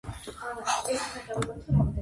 შიგნიდან მთლიანად მოხატულია.